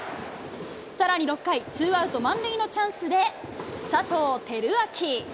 さらに６回、ツーアウト満塁のチャンスで、佐藤輝明。